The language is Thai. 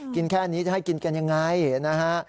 แค่นี้จะให้กินกันยังไงนะฮะ